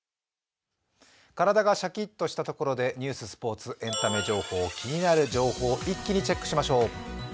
体がシャキッとしたところでニュース、スポーツ、エンタメ情報、気になる情報、一気にチェックしましょう。